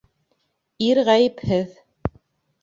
Ир ғәйепһеҙ